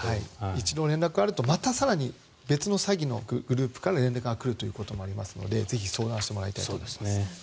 一度連絡があるとまた更に別の詐欺のグループから連絡が来るということもありますのでぜひ相談していただきたいと思います。